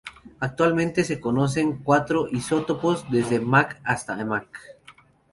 Actualmente se conocen cuatro isótopos desde Mc hasta Mc.